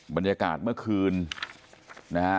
บรรยากาศเมื่อคืน